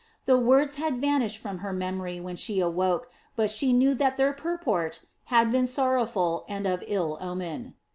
The words had vanished from her memory when she awoke, but she knew that their purport had been sorrowful and of ill omen.